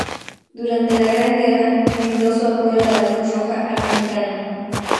Durante la Gran Guerra, brindó su apoyo a la Cruz Roja Americana.